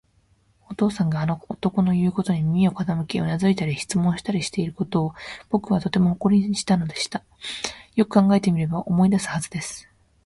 お父さんがあの男のいうことに耳を傾け、うなずいたり、質問したりしていることを、ぼくはとても誇りにしたのでした。よく考えてみれば、思い出すはずです。